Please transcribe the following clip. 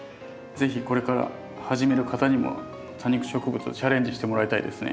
是非これから始める方にも多肉植物をチャレンジしてもらいたいですね。